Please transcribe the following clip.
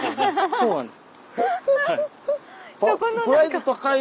そうなんです。